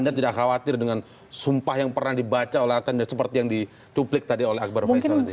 anda tidak khawatir dengan sumpah yang pernah dibaca oleh archandra seperti yang dicuplik tadi oleh akbar faisal tadi